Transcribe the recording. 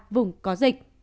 vùng có dịch